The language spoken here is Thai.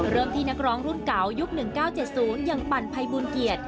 ที่นักร้องรุ่นเก่ายุค๑๙๗๐อย่างปั่นภัยบูลเกียรติ